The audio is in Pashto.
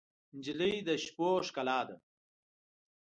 نجلۍ د شپو ښکلا ده.